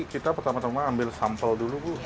kita pertama tama ambil sampel dulu bu